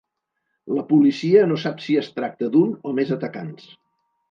La policia no sap si es tracta d’un o més atacants.